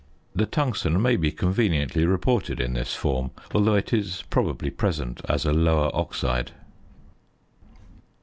The tungsten may be conveniently reported in this form, although it is probably present as a lower oxide.